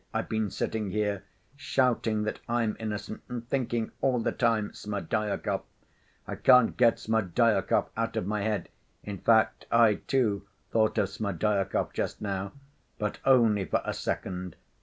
I've been sitting here, shouting that I'm innocent and thinking all the time 'Smerdyakov!' I can't get Smerdyakov out of my head. In fact, I, too, thought of Smerdyakov just now; but only for a second.